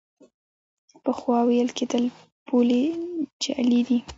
پخوا ویل کېدل پولې جعلي دي.